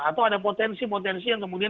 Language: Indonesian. atau ada potensi potensi yang kemudian